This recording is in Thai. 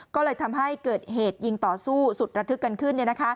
ก็เลยทำให้เกิดเหตุยิงต่อสู้สุดระทึกกันขึ้น